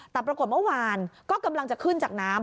แต่ปรากฏเมื่อวานก็กำลังจะขึ้นจากน้ำ